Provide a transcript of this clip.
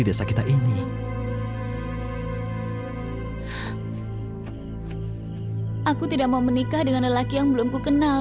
papa memintamu menikah dengan joko seger